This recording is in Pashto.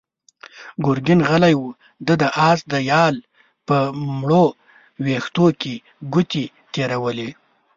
ګرګين غلی و، ده د آس د يال په مړو وېښتو کې ګوتې تېرولې.